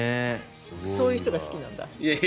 そういう人が好きなんだ？